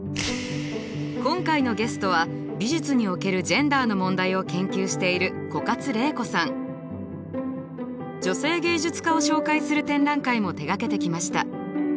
今回のゲストは美術におけるジェンダーの問題を研究している女性芸術家を紹介する展覧会も手がけてきました。